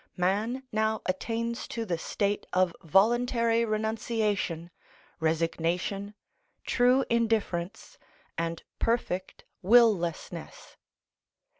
Man now attains to the state of voluntary renunciation, resignation, true indifference, and perfect will lessness.